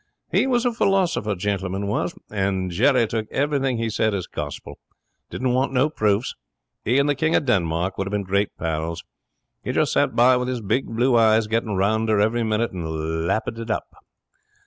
He was a philosopher, Gentleman was. And Jerry took everything he said as gospel. He didn't want no proofs. 'E and the King of Denmark would have been great pals. He just sat by with his big blue eyes getting rounder every minute and lapped it up.